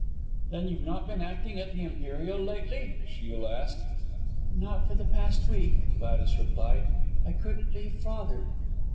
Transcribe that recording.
"Then you've not been acting at the Imperial lately?" Shiel asked. "Not for the past week," Gladys replied. "I couldn't leave father."